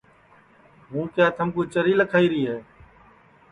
ہوں کیا تھمکُو چری لکھائی ری ہے